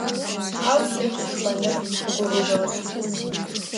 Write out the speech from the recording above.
Ау Лъэпшъ шхэныр игугъужьыгъэп.